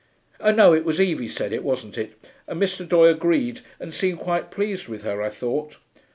No, it was Evie said it, wasn't it? and Mr. Doye agreed and seemed quite pleased with her, I thought.